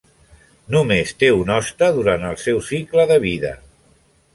Només té un hoste durant el seu cicle de vida.